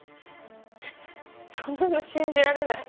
そんなの信じられない。